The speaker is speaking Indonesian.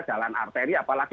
jalan arteri apalagi